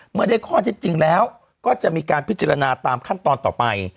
เมื่อได้ข้อเท็จจริงแล้วก็จะมีการพิจารณาตามขั้นตอนต่อไป